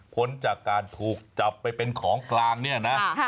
ผลจากการถูกจับไปเป็นของกลางเนี่ยนะ